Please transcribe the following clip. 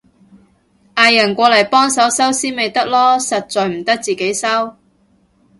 嗌人過嚟幫手收屍咪得囉，實在唔得自己收